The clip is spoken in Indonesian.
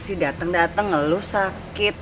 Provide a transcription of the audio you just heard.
masih dateng dateng elu sakit